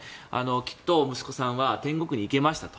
きっと息子さんは天国に行けましたと。